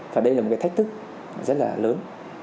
và đây là một cái thách thức rất là lớn